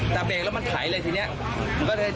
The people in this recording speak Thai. แต่เบรกแล้วมันไถเลยทีนี้